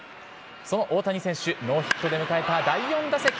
その大谷選手、ノーヒットで迎えた第４打席。